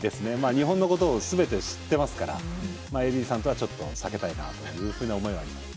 日本のことをすべて知ってますからエディーさんとはちょっと避けたいなというふうな思いはあります。